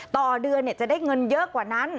ต่อเดือนจะได้เงินเยอะกว่านั้น